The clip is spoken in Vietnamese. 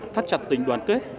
thắt chặt tình đoàn kết